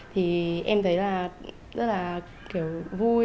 thì em thấy là rất là kiểu vui